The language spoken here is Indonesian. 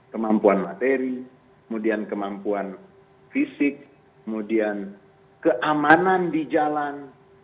kemampuan materi kemampuan fisik keamanan di jalan